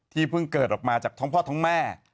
เพิ่งเกิดออกมาจากท้องพ่อท้องแม่